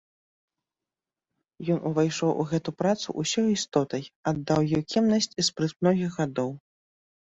Ён увайшоў у гэту працу ўсёй істотай, аддаў ёй кемнасць і спрыт многіх гадоў.